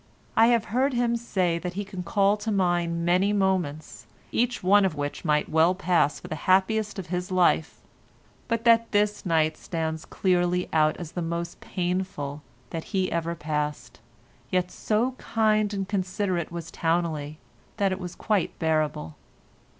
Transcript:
I have heard him say that he can call to mind many moments, each one of which might well pass for the happiest of his life, but that this night stands clearly out as the most painful that he ever passed, yet so kind and considerate was Towneley that it was quite bearable.